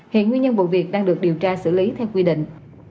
hiện nguyên nhân vụ việc đang được điều tra xử lý theo quy định